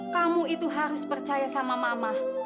kamu itu harus percaya sama mama